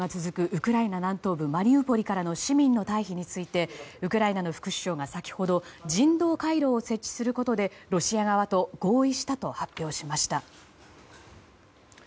ウクライナ南東部マリウポリからの市民の退避についてウクライナの副首相が先ほど人道回廊を設置することでロシア側と合意したと発表しました。